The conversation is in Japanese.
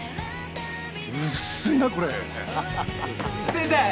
・先生！